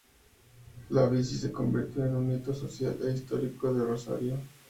La bici se convirtió en un hito social e histórico de Rosario.